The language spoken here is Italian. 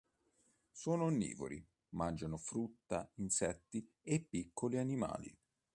Sono onnivori, mangiano frutta, insetti e piccoli animali.